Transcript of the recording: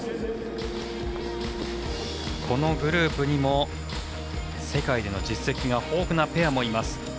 このグループにも世界での実績が豊富なペアもいます。